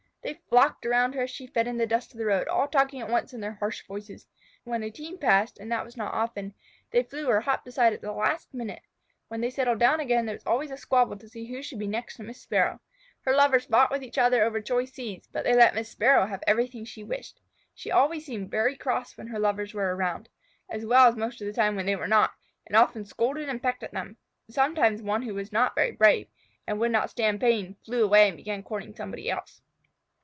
They flocked around her as she fed in the dust of the road, all talking at once in their harsh voices. When a team passed by, and that was not often, they flew or hopped aside at the last minute. When they settled down again there was always a squabble to see who should be next to Miss Sparrow. Her lovers fought with each other over choice seeds, but they let Miss Sparrow have everything she wished. She always seemed very cross when her lovers were around (as well as most of the time when they were not), and often scolded and pecked at them. Sometimes one who was not brave, and would not stand pain, flew away and began courting somebody else.